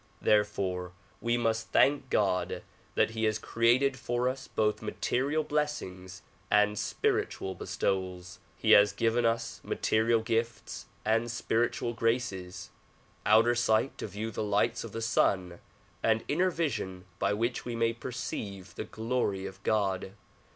There fore we must thank God that he has created for ns both material blessings and spiritual bestowals. He has given us material gifts and spiritual graces, outer sight to view the lights of the sun and inner vision by which we may perceive the glory of God.